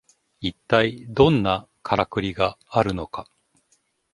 いったいどんなカラクリがあるのか